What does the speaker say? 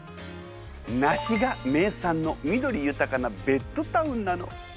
ナシが名産の緑豊かなベッドタウンなの。